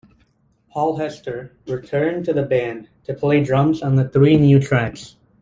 Paul Hester returned to the band to play drums on the three new tracks.